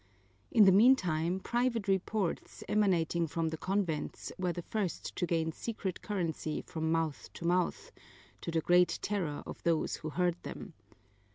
In the meantime, private reports, emanating from the convents, were the first to gain secret currency from mouth to mouth, to the great terror of those who heard them.